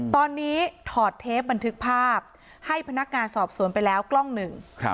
ตอนนี้ถอดเทปบันทึกภาพให้พนักงานสอบสวนไปแล้วกล้องหนึ่ง